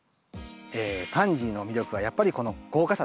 パンジーの魅力はやっぱりこの豪華さですね。